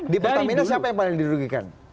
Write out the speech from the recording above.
di pertamina siapa yang paling dirugikan